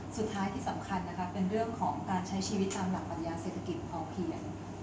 ที่สำคัญนะคะเป็นเรื่องของการใช้ชีวิตตามหลักปัญญาเศรษฐกิจพอเพียง